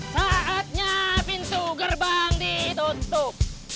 saatnya pintu gerbang ditutup